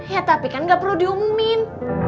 ya tapi kan gak perlu diumumin